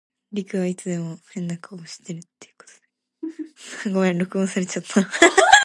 The Ministry is tasked to conduct and deliver education services to all Fijian students.